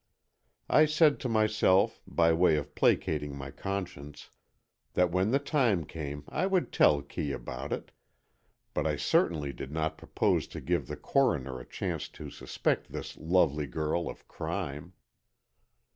I said to myself, by way of placating my conscience, that when the time came I would tell Kee about it, but I certainly did not propose to give the Coroner a chance to suspect this lovely girl of crime.